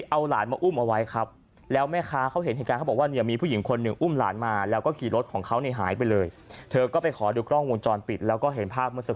เอ๊ะแล้วทำไมรถหายไปไหน